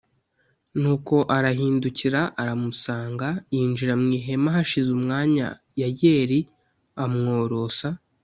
Nuko arahindukira aramusanga yinjira mu ihema Hashize umwanya Yayeli amworosa